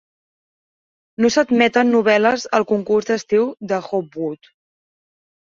No s'admeten novel·les al concurs d'estiu de Hopwood.